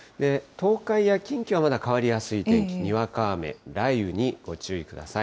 東海や近畿はまだ変わりやすい天気、にわか雨、雷雨にご注意ください。